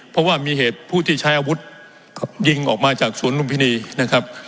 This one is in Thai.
เพราะว่ามีเหตุผู้ที่ใช้อาวุธยิงออกมาจากสวนลุมพินีนะครับ